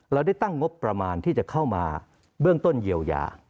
เราได้ตั้งงบประมาณที่จะเข้ามาเบื้องต้นเยียวยา